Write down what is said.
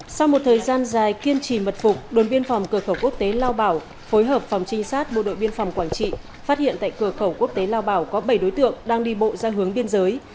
sau một thời gian dài kiên trì mật phục đồn biên phòng cửa khẩu quốc tế lao bảo phối hợp phòng trinh sát bộ đội biên phòng quảng trị phát hiện tại cửa khẩu quốc tế lao bảo có bảy đối tượng đang đi bộ ra hướng biên giới